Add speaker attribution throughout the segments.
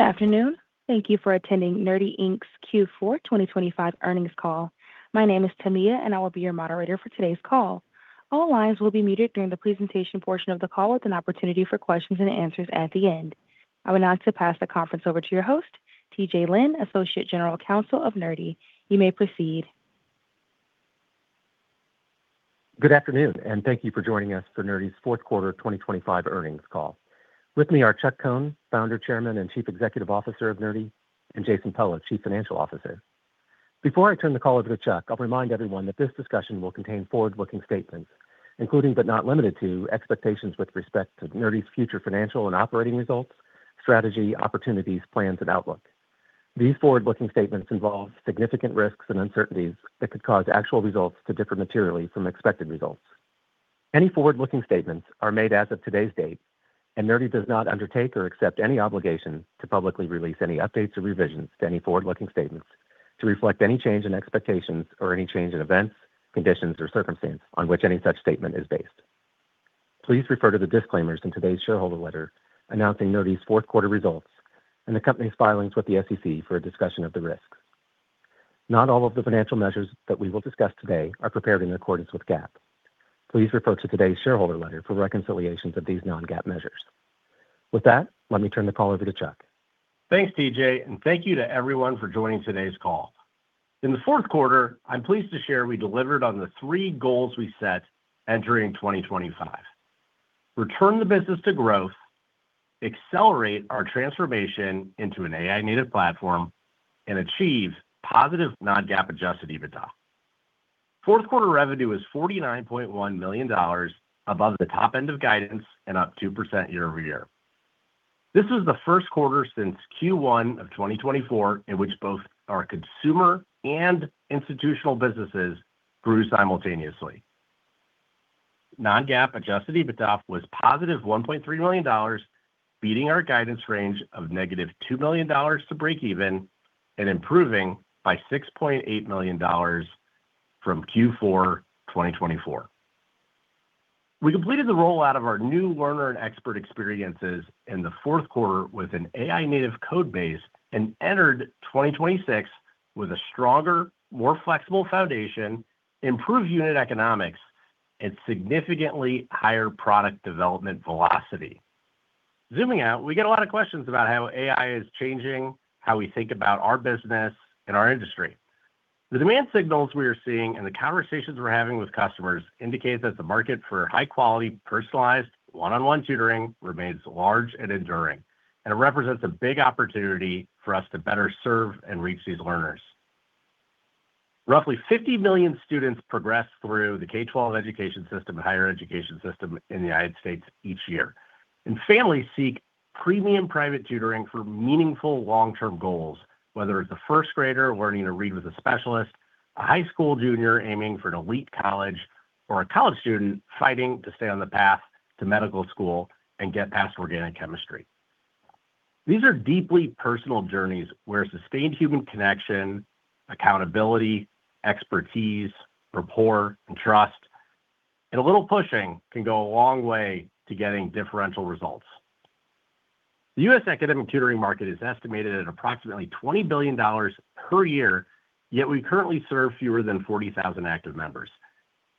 Speaker 1: Good afternoon. Thank you for attending Nerdy Inc.'s Q4 2025 earnings call. My name is Tamiya, and I will be your moderator for today's call. All lines will be muted during the presentation portion of the call with an opportunity for questions and answers at the end. I would now like to pass the conference over to your host, TJ Lynn, Associate General Counsel of Nerdy. You may proceed.
Speaker 2: Good afternoon, and thank you for joining us for Nerdy's fourth quarter 2025 earnings call. With me are Chuck Cohn, Founder, Chairman, and Chief Executive Officer of Nerdy, and Jason Pello, Chief Financial Officer. Before I turn the call over to Chuck, I'll remind everyone that this discussion will contain forward-looking statements, including but not limited to expectations with respect to Nerdy's future financial and operating results, strategy, opportunities, plans, and outlook. These forward-looking statements involve significant risks and uncertainties that could cause actual results to differ materially from expected results. Any forward-looking statements are made as of today's date, Nerdy does not undertake or accept any obligation to publicly release any updates or revisions to any forward-looking statements to reflect any change in expectations or any change in events, conditions, or circumstances on which any such statement is based. Please refer to the disclaimers in today's shareholder letter announcing Nerdy's fourth quarter results and the company's filings with the SEC for a discussion of the risks. Not all of the financial measures that we will discuss today are prepared in accordance with GAAP. Please refer to today's shareholder letter for reconciliations of these non-GAAP measures. With that, let me turn the call over to Chuck.
Speaker 3: Thanks, TJ, and thank you to everyone for joining today's call. In the fourth quarter, I'm pleased to share we delivered on the three goals we set entering 2025. Return the business to growth, accelerate our transformation into an AI-native platform, and achieve positive non-GAAP adjusted EBITDA. Fourth quarter revenue was $49.1 million above the top end of guidance and up 2% year-over-year. This was the first quarter since Q1 of 2024 in which both our consumer and institutional businesses grew simultaneously. Non-GAAP adjusted EBITDA was positive $1.3 million, beating our guidance range of -$2 million to break even and improving by $6.8 million from Q4 2024. We completed the rollout of our new learner and expert experiences in the fourth quarter with an AI-native code base and entered 2026 with a stronger, more flexible foundation, improved unit economics, and significantly higher product development velocity. Zooming out, we get a lot of questions about how AI is changing, how we think about our business and our industry. The demand signals we are seeing and the conversations we're having with customers indicates that the market for high-quality, personalized, one-on-one tutoring remains large and enduring, and it represents a big opportunity for us to better serve and reach these learners. Roughly 50 million students progress through the K-12 education system and higher education system in the United States each year. Families seek premium private tutoring for meaningful long-term goals, whether it's a first grader learning to read with a specialist, a high school junior aiming for an elite college, or a college student fighting to stay on the path to medical school and get past organic chemistry. These are deeply personal journeys where sustained human connection, accountability, expertise, rapport, and trust, and a little pushing can go a long way to getting differential results. The U.S. academic tutoring market is estimated at approximately $20 billion per year, yet we currently serve fewer than 40,000 active members.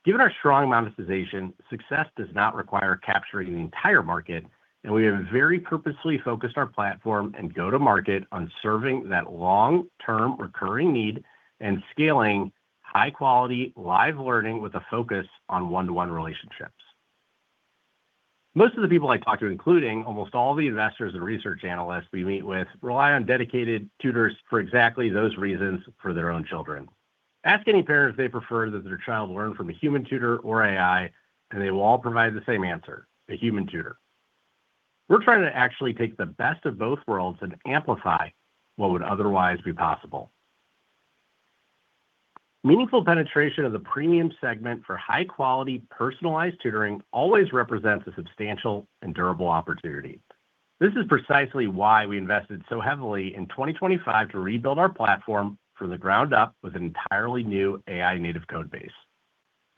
Speaker 3: Given our strong monetization, success does not require capturing the entire market, and we have very purposefully focused our platform and go-to-market on serving that long-term recurring need and scaling high-quality live learning with a focus on one-to-one relationships. Most of the people I talk to, including almost all the investors and research analysts we meet with, rely on dedicated tutors for exactly those reasons for their own children. Ask any parent if they prefer that their child learn from a human tutor or AI, and they will all provide the same answer, a human tutor. We're trying to actually take the best of both worlds and amplify what would otherwise be possible. Meaningful penetration of the premium segment for high-quality, personalized tutoring always represents a substantial and durable opportunity. This is precisely why we invested so heavily in 2025 to rebuild our platform from the ground up with an entirely new AI-native code base.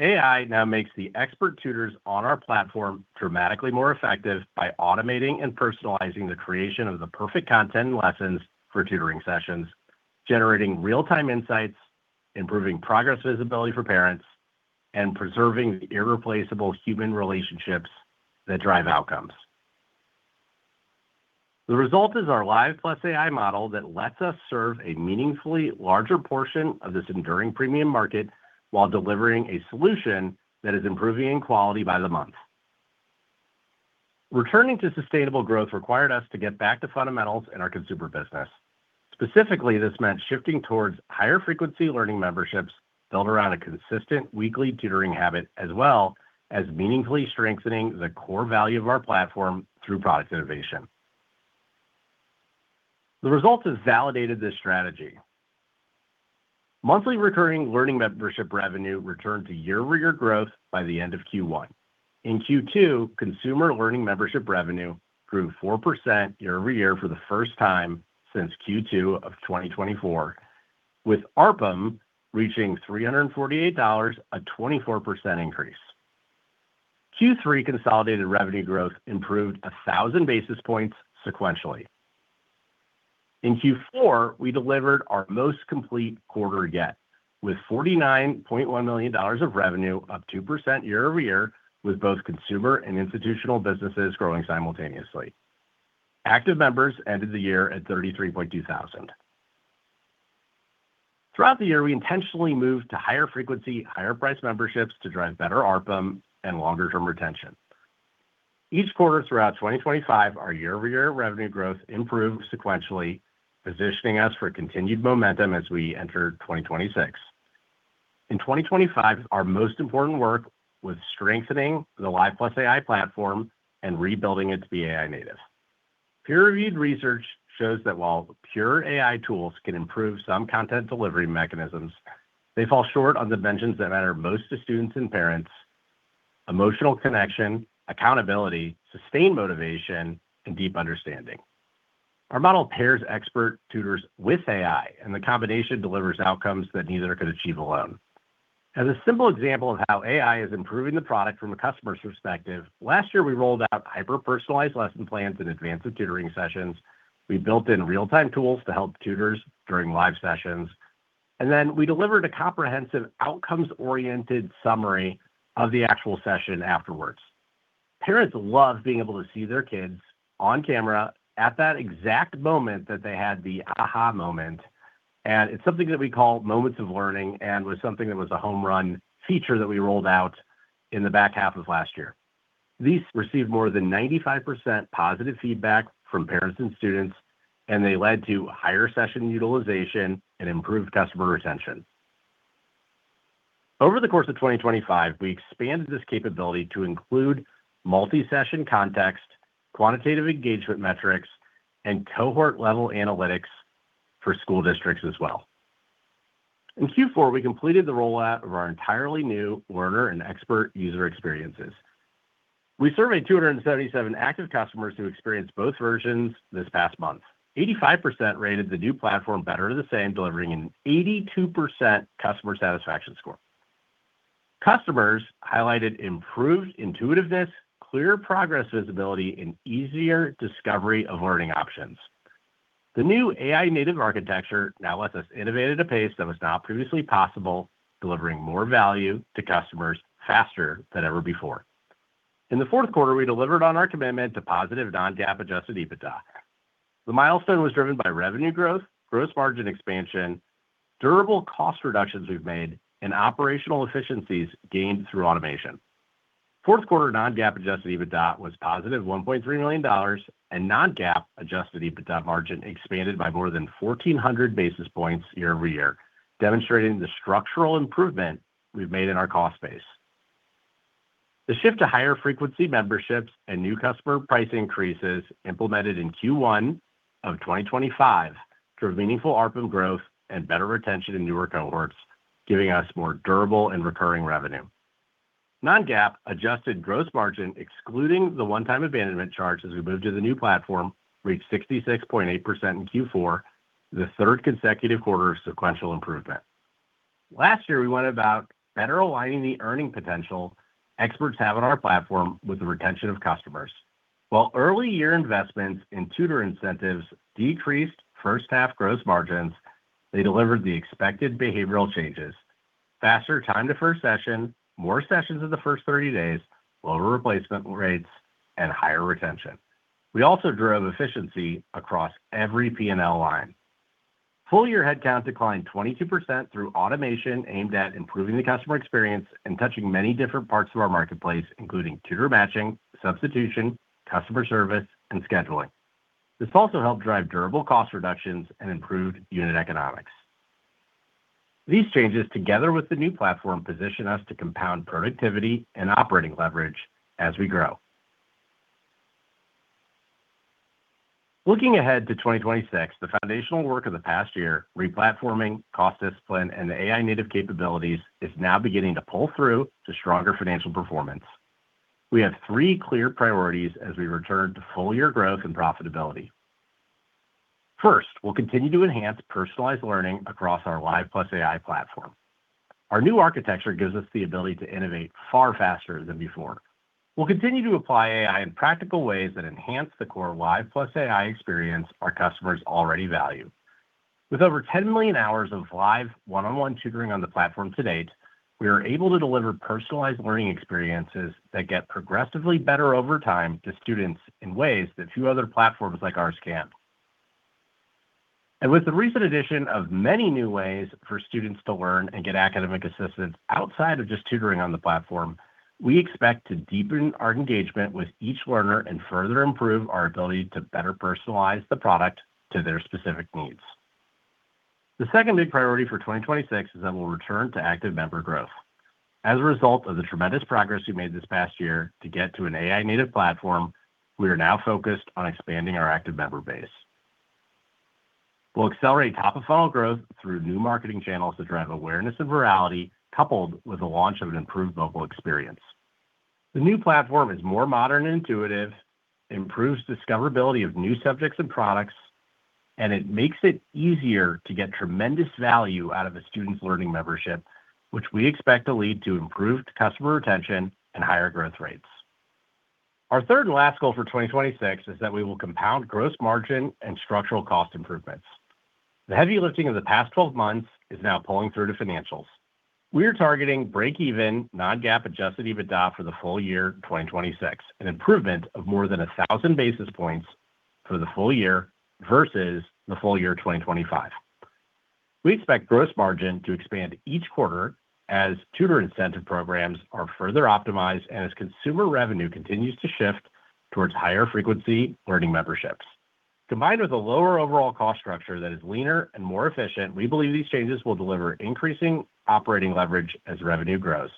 Speaker 3: AI now makes the expert tutors on our platform dramatically more effective by automating and personalizing the creation of the perfect content and lessons for tutoring sessions, generating real-time insights, improving progress visibility for parents, and preserving the irreplaceable human relationships that drive outcomes. The result is our Live+AI model that lets us serve a meaningfully larger portion of this enduring premium market while delivering a solution that is improving in quality by the month. Returning to sustainable growth required us to get back to fundamentals in our consumer business. Specifically, this meant shifting towards higher frequency learning memberships built around a consistent weekly tutoring habit, as well as meaningfully strengthening the core value of our platform through product innovation. The results have validated this strategy. Monthly recurring learning membership revenue returned to year-over-year growth by the end of Q1. In Q2, consumer learning membership revenue grew 4% year-over-year for the first time since Q2 of 2024, with ARPM reaching $348, a 24% increase. Q3 consolidated revenue growth improved 1,000 basis points sequentially. In Q4, we delivered our most complete quarter yet with $49.1 million of revenue, up 2% year-over-year, with both consumer and institutional businesses growing simultaneously. Active members ended the year at 33.2 thousand. Throughout the year, we intentionally moved to higher frequency, higher price memberships to drive better ARPM and longer-term retention. Each quarter throughout 2025, our year-over-year revenue growth improved sequentially, positioning us for continued momentum as we enter 2026. In 2025, our most important work was strengthening the Live+AI platform and rebuilding it to be AI-native. Peer-reviewed research shows that while pure AI tools can improve some content delivery mechanisms, they fall short on dimensions that matter most to students and parents: emotional connection, accountability, sustained motivation, and deep understanding. Our model pairs expert tutors with AI, and the combination delivers outcomes that neither could achieve alone. As a simple example of how AI is improving the product from a customer's perspective, last year, we rolled out hyper-personalized lesson plans in advance of tutoring sessions, we built in real-time tools to help tutors during live sessions, and then we delivered a comprehensive outcomes-oriented summary of the actual session afterwards. Parents love being able to see their kids on camera at that exact moment that they had the aha moment. It's something that we call moments of learning and was something that was a home run feature that we rolled out in the back half of last year. These received more than 95% positive feedback from parents and students. They led to higher session utilization and improved customer retention. Over the course of 2025, we expanded this capability to include multi-session context, quantitative engagement metrics, and cohort-level analytics for school districts as well. In Q4, we completed the rollout of our entirely new learner and expert user experiences. We surveyed 277 active customers who experienced both versions this past month. 85% rated the new platform better the same, delivering an 82% customer satisfaction score. Customers highlighted improved intuitiveness, clear progress visibility, and easier discovery of learning options. The new AI-native architecture now lets us innovate at a pace that was not previously possible, delivering more value to customers faster than ever before. In the fourth quarter, we delivered on our commitment to positive non-GAAP adjusted EBITDA. The milestone was driven by revenue growth, gross margin expansion, durable cost reductions we've made, and operational efficiencies gained through automation. Fourth quarter non-GAAP adjusted EBITDA was positive $1.3 million, and non-GAAP adjusted EBITDA margin expanded by more than 1,400 basis points year-over-year, demonstrating the structural improvement we've made in our cost base. The shift to higher frequency memberships and new customer price increases implemented in Q1 of 2025 drove meaningful ARPM growth and better retention in newer cohorts, giving us more durable and recurring revenue. Non-GAAP adjusted gross margin, excluding the 1-time abandonment charge as we moved to the new platform, reached 66.8% in Q4, the third consecutive quarter of sequential improvement. Last year, we went about better aligning the earning potential experts have on our platform with the retention of customers. While early year investments in tutor incentives decreased first half gross margins, they delivered the expected behavioral changes: faster time to first session, more sessions in the first 30 days, lower replacement rates, and higher retention. We also drove efficiency across every P&L line. Full-year headcount declined 22% through automation aimed at improving the customer experience and touching many different parts of our marketplace, including tutor matching, substitution, customer service, and scheduling. This also helped drive durable cost reductions and improved unit economics. These changes, together with the new platform, position us to compound productivity and operating leverage as we grow. Looking ahead to 2026, the foundational work of the past year, re-platforming, cost discipline, and the AI-native capabilities, is now beginning to pull through to stronger financial performance. We have three clear priorities as we return to full-year growth and profitability. First, we'll continue to enhance personalized learning across our Live+AI platform. Our new architecture gives us the ability to innovate far faster than before. We'll continue to apply AI in practical ways that enhance the core Live+AI experience our customers already value. With over 10 million hours of live one-on-one tutoring on the platform to date, we are able to deliver personalized learning experiences that get progressively better over time to students in ways that few other platforms like ours can. With the recent addition of many new ways for students to learn and get academic assistance outside of just tutoring on the platform, we expect to deepen our engagement with each learner and further improve our ability to better personalize the product to their specific needs. The second big priority for 2026 is that we'll return to active member growth. As a result of the tremendous progress we made this past year to get to an AI-native platform, we are now focused on expanding our active member base. We'll accelerate top-of-funnel growth through new marketing channels to drive awareness and virality, coupled with the launch of an improved mobile experience. The new platform is more modern and intuitive, improves discoverability of new subjects and products. It makes it easier to get tremendous value out of a student's learning membership, which we expect to lead to improved customer retention and higher growth rates. Our third and last goal for 2026 is that we will compound gross margin and structural cost improvements. The heavy lifting of the past 12 months is now pulling through to financials. We are targeting break-even non-GAAP adjusted EBITDA for the full year 2026, an improvement of more than 1,000 basis points for the full year versus the full year 2025. We expect gross margin to expand each quarter as tutor incentive programs are further optimized and as consumer revenue continues to shift towards higher frequency learning memberships. Combined with a lower overall cost structure that is leaner and more efficient, we believe these changes will deliver increasing operating leverage as revenue grows.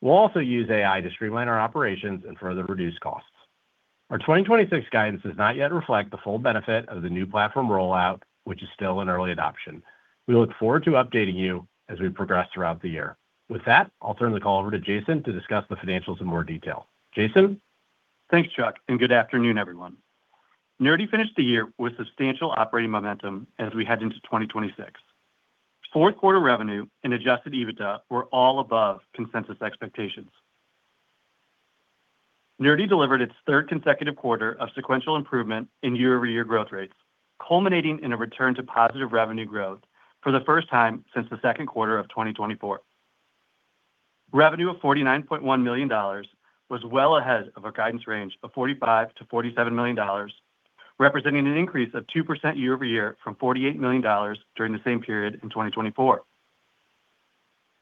Speaker 3: We'll also use AI to streamline our operations and further reduce costs. Our 2026 guidance does not yet reflect the full benefit of the new platform rollout, which is still in early adoption. We look forward to updating you as we progress throughout the year. With that, I'll turn the call over to Jason to discuss the financials in more detail. Jason?
Speaker 4: Thanks, Chuck, and good afternoon, everyone. Nerdy finished the year with substantial operating momentum as we head into 2026. Fourth quarter revenue and adjusted EBITDA were all above consensus expectations. Nerdy delivered its third consecutive quarter of sequential improvement in year-over-year growth rates, culminating in a return to positive revenue growth for the first time since the second quarter of 2024. Revenue of $49.1 million was well ahead of a guidance range of $45 million-$47 million, representing an increase of 2% year-over-year from $48 million during the same period in 2024.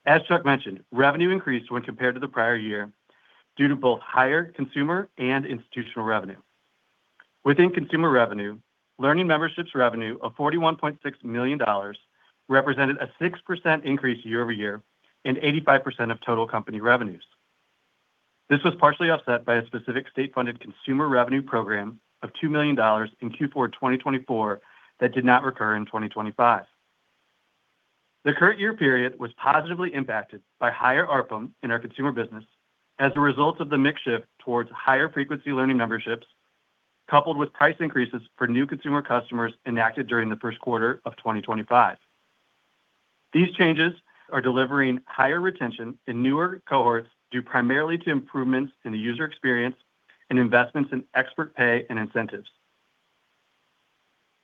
Speaker 4: As Chuck mentioned, revenue increased when compared to the prior year due to both higher consumer and institutional revenue. Within consumer revenue, learning memberships revenue of $41.6 million represented a 6% increase year-over-year and 85% of total company revenues. This was partially offset by a specific state-funded consumer revenue program of $2 million in Q4 2024 that did not recur in 2025. The current year period was positively impacted by higher ARPM in our consumer business as a result of the mix shift towards higher frequency learning memberships, coupled with price increases for new consumer customers enacted during the first quarter of 2025. These changes are delivering higher retention in newer cohorts, due primarily to improvements in the user experience and investments in expert pay and incentives.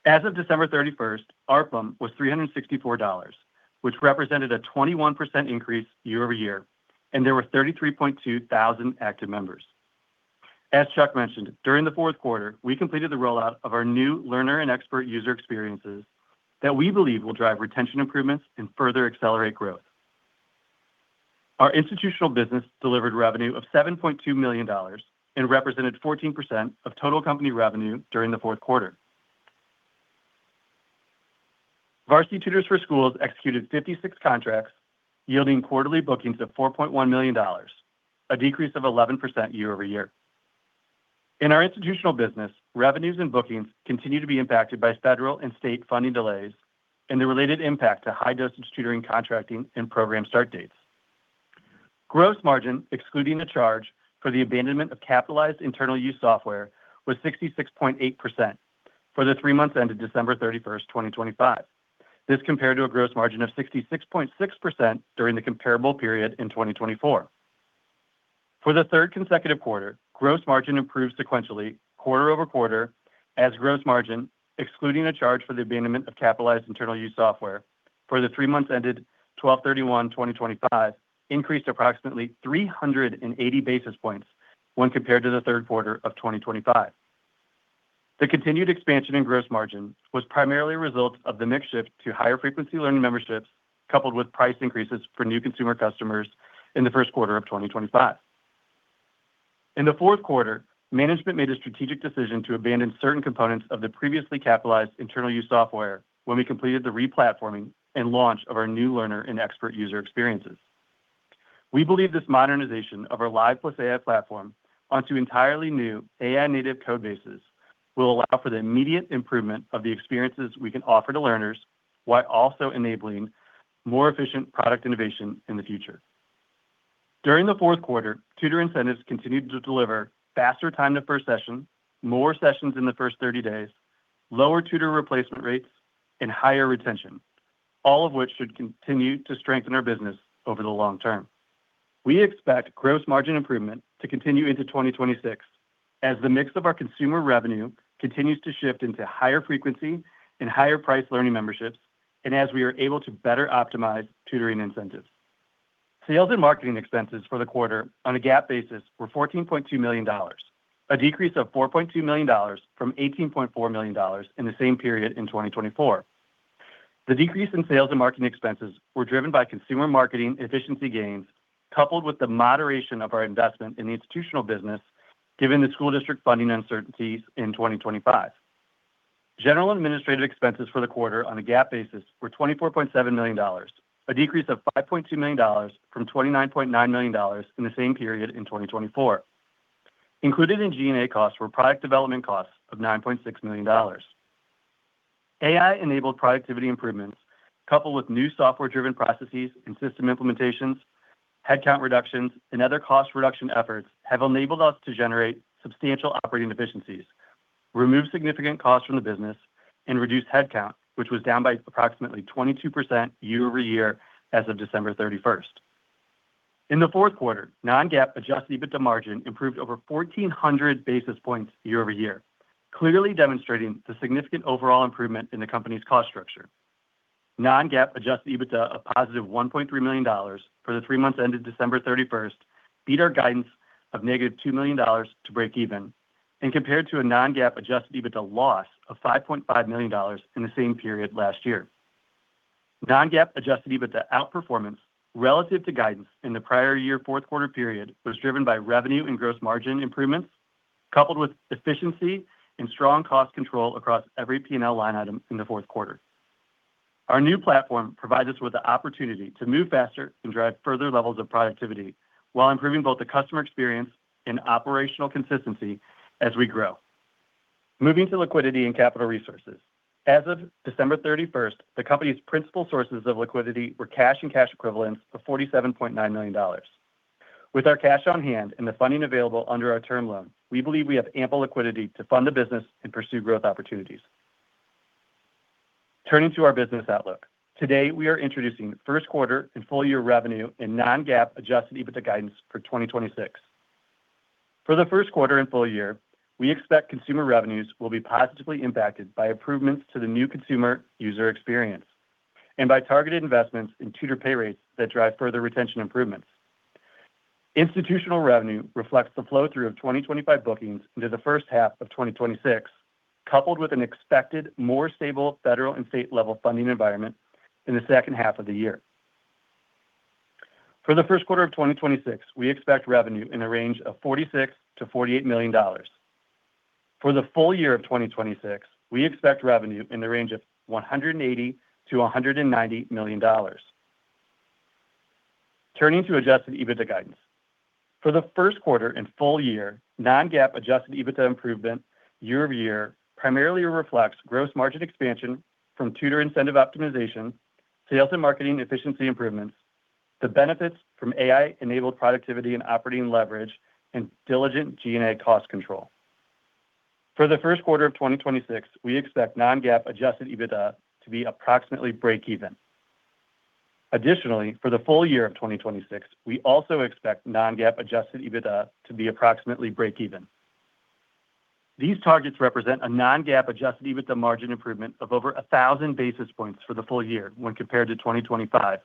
Speaker 4: As of 31 December, ARPM was $364, which represented a 21% increase year-over-year, and there were 33.2 thousand active members. As Chuck mentioned, during the fourth quarter, we completed the rollout of our new learner and expert user experiences that we believe will drive retention improvements and further accelerate growth. Our institutional business delivered revenue of $7.2 million and represented 14% of total company revenue during the fourth quarter. Varsity Tutors for Schools executed 56 contracts, yielding quarterly bookings of $4.1 million, a decrease of 11% year-over-year. In our institutional business, revenues and bookings continue to be impacted by federal and state funding delays and the related impact to high-dosage tutoring, contracting, and program start dates. Gross margin, excluding the charge for the abandonment of capitalized internal use software, was 66.8% for the three months ended 31 December 2025. This compared to a gross margin of 66.6% during the comparable period in 2024. For the 3rd consecutive quarter, gross margin improved sequentially quarter-over-quarter as gross margin, excluding a charge for the abandonment of capitalized internal use software for the three months ended 31 December 2025 increased approximately 380 basis points when compared to the 3rd quarter of 2025. The continued expansion in gross margin was primarily a result of the mix shift to higher frequency learning memberships, coupled with price increases for new consumer customers in the 1st quarter of 2025. In the 4th quarter, management made a strategic decision to abandon certain components of the previously capitalized internal use software when we completed the re-platforming and launch of our new learner and expert user experiences. We believe this modernization of our Live+AI platform onto entirely new AI-native codebases will allow for the immediate improvement of the experiences we can offer to learners while also enabling more efficient product innovation in the future. During the fourth quarter, tutor incentives continued to deliver faster time to first session, more sessions in the first 30 days, lower tutor replacement rates, and higher retention, all of which should continue to strengthen our business over the long term. We expect gross margin improvement to continue into 2026 as the mix of our consumer revenue continues to shift into higher frequency and higher price learning memberships and as we are able to better optimize tutoring incentives. Sales and marketing expenses for the quarter on a GAAP basis were $14.2 million, a decrease of $4.2 million from $18.4 million in the same period in 2024. The decrease in sales and marketing expenses were driven by consumer marketing efficiency gains, coupled with the moderation of our investment in the institutional business, given the school district funding uncertainties in 2025. General and administrative expenses for the quarter on a GAAP basis were $24.7 million, a decrease of $5.2 million from $29.9 million in the same period in 2024. Included in G&A costs were product development costs of $9.6 million. AI-enabled productivity improvements, coupled with new software-driven processes and system implementations. Headcount reductions and other cost reduction efforts have enabled us to generate substantial operating efficiencies, remove significant costs from the business, and reduce headcount, which was down by approximately 22% year-over-year as of 31 December. In the fourth quarter, non-GAAP adjusted EBITDA margin improved over 1,400 basis points year-over-year, clearly demonstrating the significant overall improvement in the company's cost structure. non-GAAP adjusted EBITDA of positive $1.3 million for the three months ended 31 December beat our guidance of -$2 million to break even and compared to a non-GAAP adjusted EBITDA loss of $5.5 million in the same period last year. non-GAAP adjusted EBITDA outperformance relative to guidance in the prior year fourth quarter period was driven by revenue and gross margin improvements, coupled with efficiency and strong cost control across every P&L line item in the fourth quarter. Our new platform provides us with the opportunity to move faster and drive further levels of productivity while improving both the customer experience and operational consistency as we grow. Moving to liquidity and capital resources. As of 31 December, the company's principal sources of liquidity were cash and cash equivalents of $47.9 million. With our cash on hand and the funding available under our term loan, we believe we have ample liquidity to fund the business and pursue growth opportunities. Turning to our business outlook. Today, we are introducing first quarter and full year revenue and non-GAAP adjusted EBITDA guidance for 2026. For the first quarter and full year, we expect consumer revenues will be positively impacted by improvements to the new consumer user experience and by targeted investments in tutor pay rates that drive further retention improvements. Institutional revenue reflects the flow-through of 2025 bookings into the first half of 2026, coupled with an expected more stable federal and state-level funding environment in the second half of the year. For the first quarter of 2026, we expect revenue in the range of $46 million-$48 million. For the full year of 2026, we expect revenue in the range of $180 million-$190 million. Turning to adjusted EBITDA guidance. For the first quarter and full year, non-GAAP adjusted EBITDA improvement year-over-year primarily reflects gross margin expansion from tutor incentive optimization, sales and marketing efficiency improvements, the benefits from AI-enabled productivity and operating leverage, and diligent G&A cost control. For the first quarter of 2026, we expect non-GAAP adjusted EBITDA to be approximately breakeven. Additionally, for the full year of 2026, we also expect non-GAAP adjusted EBITDA to be approximately breakeven. These targets represent a non-GAAP adjusted EBITDA margin improvement of over 1,000 basis points for the full year when compared to 2025,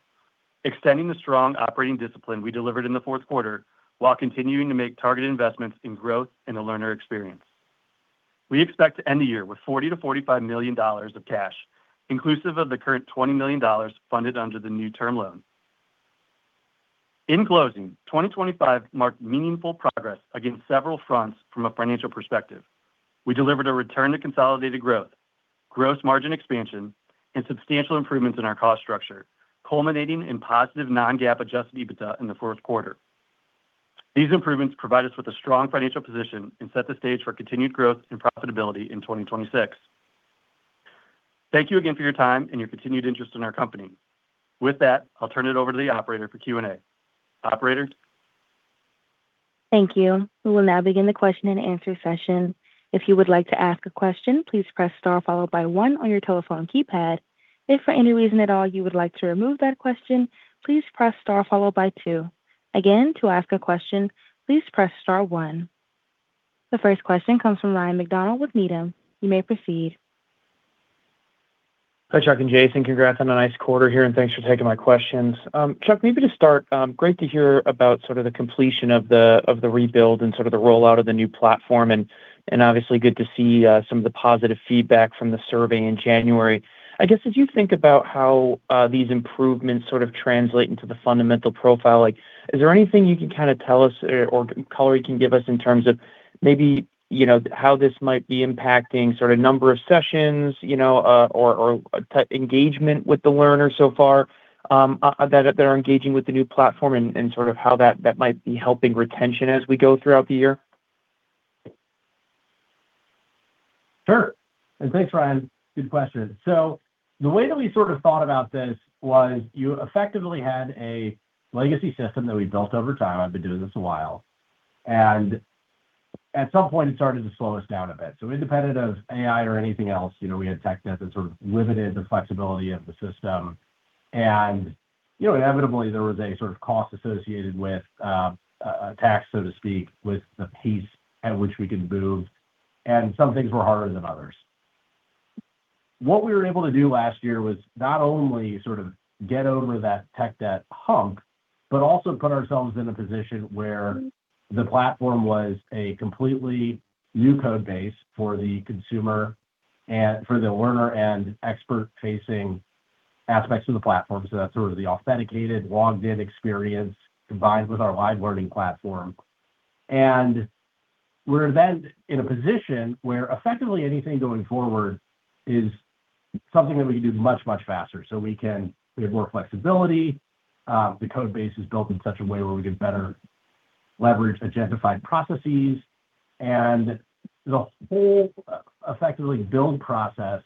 Speaker 4: extending the strong operating discipline we delivered in the fourth quarter while continuing to make targeted investments in growth and the learner experience. We expect to end the year with $40 million-$45 million of cash, inclusive of the current $20 million funded under the new term loan. In closing, 2025 marked meaningful progress against several fronts from a financial perspective. We delivered a return to consolidated growth, gross margin expansion, and substantial improvements in our cost structure, culminating in positive non-GAAP adjusted EBITDA in the 4th quarter. These improvements provide us with a strong financial position and set the stage for continued growth and profitability in 2026. Thank you again for your time and your continued interest in our company. With that, I'll turn it over to the operator for Q&A. Operator?
Speaker 1: Thank you. We will now begin the question-and-answer session. If you would like to ask a question, please press star followed by one on your telephone keypad. If for any reason at all you would like to remove that question, please press star followed by two. Again, to ask a question, please press star one. The first question comes from Ryan MacDonald with Needham. You may proceed.
Speaker 5: Hi, Chuck and Jason. Congrats on a nice quarter here, and thanks for taking my questions. Chuck, maybe to start, great to hear about sort of the completion of the rebuild and sort of the rollout of the new platform and obviously good to see some of the positive feedback from the survey in January. I guess, as you think about how these improvements sort of translate into the fundamental profile, like is there anything you can kinda tell us or color you can give us in terms of maybe, you know, how this might be impacting sort of number of sessions, you know, or engagement with the learners so far, that are engaging with the new platform and sort of how that might be helping retention as we go throughout the year?
Speaker 3: Sure. Thanks, Ryan. Good question. The way that we sort of thought about this was you effectively had a legacy system that we built over time. I've been doing this a while. At some point it started to slow us down a bit. Independent of AI or anything else, you know, we had tech debt that sort of limited the flexibility of the system. Inevitably there was a sort of cost associated with a tax, so to speak, with the pace at which we could move, and some things were harder than others. What we were able to do last year was not only sort of get over that tech debt hump, but also put ourselves in a position where the platform was a completely new code base for the consumer and for the learner and expert-facing aspects of the platform. That's sort of the authenticated logged in experience combined with our live learning platform. We're then in a position where effectively anything going forward is something that we can do much, much faster. We have more flexibility. The code base is built in such a way where we get better. Leverage identified processes and the whole effectively build process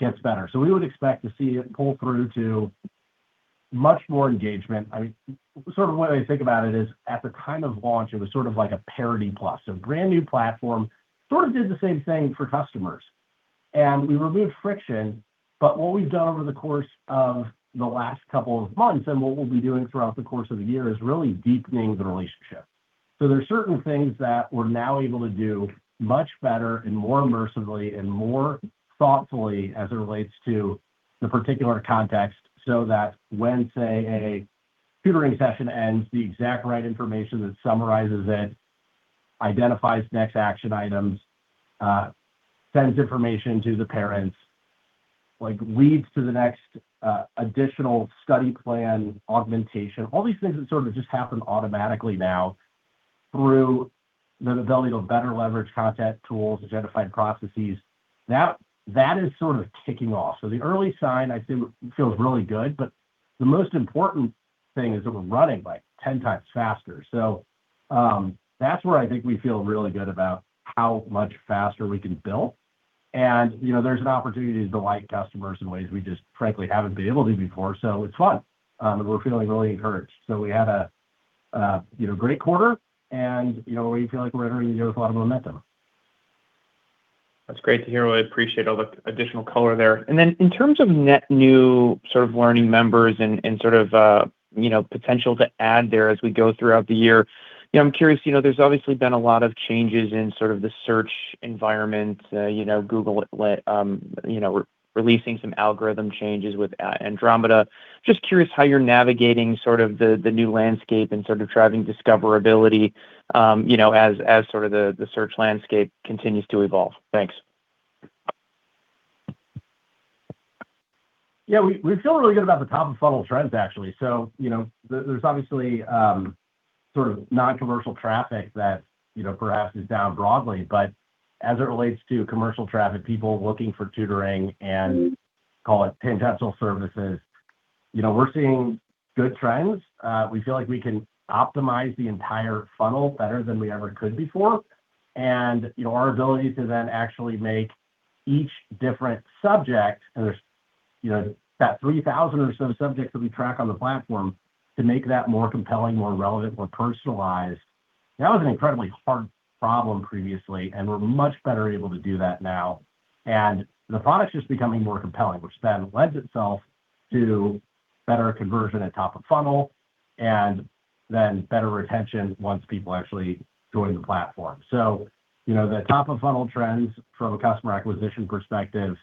Speaker 3: gets better. We would expect to see it pull through to much more engagement. I mean, sort of the way I think about it is at the kind of launch, it was sort of like a parity plus. A brand-new platform sort of did the same thing for customers, and we removed friction. What we've done over the course of the last couple of months and what we'll be doing throughout the course of the year is really deepening the relationship. There are certain things that we're now able to do much better and more immersively and more thoughtfully as it relates to the particular context, so that when, say, a tutoring session ends, the exact right information that summarizes it, identifies next action items, sends information to the parents, like, leads to the next, additional study plan, augmentation. All these things that sort of just happen automatically now through the ability to better leverage content tools, identified processes, that is sort of kicking off. The early sign, I'd say, feels really good, but the most important thing is that we're running like 10 times faster. That's where I think we feel really good about how much faster we can build. You know, there's an opportunity to delight customers in ways we just frankly haven't been able to before. It's fun, and we're feeling really encouraged. We had a, you know, great quarter, and you know, we feel like we're entering the year with a lot of momentum.
Speaker 5: That's great to hear. I appreciate all the additional color there. In terms of net new sort of learning members and sort of, you know, potential to add there as we go throughout the year, you know, I'm curious, you know, there's obviously been a lot of changes in sort of the search environment, you know, Google LLC, you know, releasing some algorithm changes with Andromeda. Just curious how you're navigating sort of the new landscape and sort of driving discoverability, you know, as sort of the search landscape continues to evolve? Thanks.
Speaker 3: We feel really good about the top-of-funnel trends, actually. You know, there's obviously sort of non-commercial traffic that, you know, perhaps is down broadly. As it relates to commercial traffic, people looking for tutoring and call it tangential services, you know, we're seeing good trends. We feel like we can optimize the entire funnel better than we ever could before. You know, our ability to then actually make each different subject, and there's, you know, that 3,000 or so subjects that we track on the platform to make that more compelling, more relevant, more personalized, that was an incredibly hard problem previously, and we're much better able to do that now. The product's just becoming more compelling, which then lends itself to better conversion at top of funnel and then better retention once people actually join the platform. You know, the top-of-funnel trends from a customer acquisition perspective,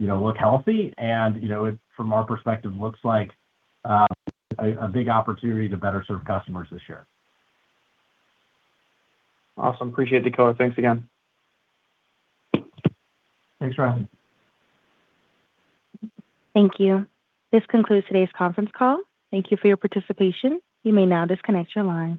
Speaker 3: you know, look healthy and, you know, from our perspective, looks like a big opportunity to better serve customers this year.
Speaker 5: Awesome. Appreciate the color. Thanks again.
Speaker 3: Thanks, Ryan.
Speaker 1: Thank you. This concludes today's conference call. Thank you for your participation. You may now disconnect your line.